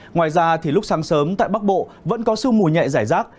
ngoài ra thì lúc sáng sớm tại bắc bộ vẫn có sưu mùi nhẹ giải rác